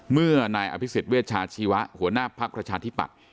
เมื่อนายอภิษฎเวชาชีวะหัวหน้าภักดิ์ประชาธิปัตย์